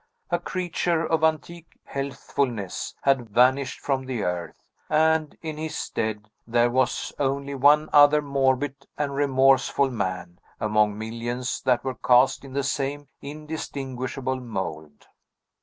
A creature of antique healthfulness had vanished from the earth; and, in his stead, there was only one other morbid and remorseful man, among millions that were cast in the same indistinguishable mould.